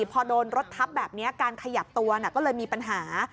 พอโดนรถทับแบบนี้การขยับตัวก็เลยมีปัญหา